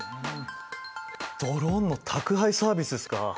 ドローンの宅配サービスですか。